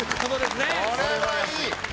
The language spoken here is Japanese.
これはいい！